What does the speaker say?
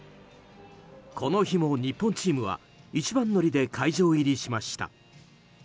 この日も日本チームは一番乗りで会場入りしました。